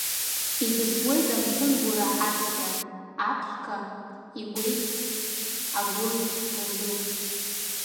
Иҵысуеит амшынгәы раҳаҭӡа, аԥшқа игәеиԥш агәы шразу.